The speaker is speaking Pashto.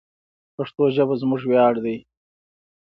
پښتو ژبه زموږ ویاړ دی.